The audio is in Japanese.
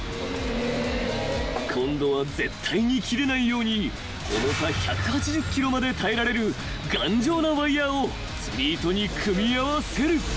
［今度は絶対に切れないように重さ１８０ｋｇまで耐えられる頑丈なワイヤを釣り糸に組み合わせる］